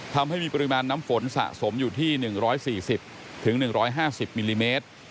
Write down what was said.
ทำให้มีปริมาณน้ำฝนสะสมอยู่ที่๑๔๐๑๕๐มิลลิเมตร